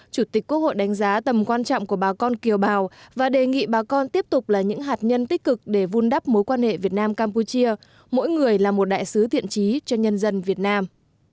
chủ tịch quốc hội đánh giá tầm quan trọng của bà con kiều bào và đề nghị bà con tiếp tục là những hạt nhân tích cực để vun đắp mối quan hệ việt nam campuchia mỗi người là một đại sứ thiện trí cho nhân dân việt nam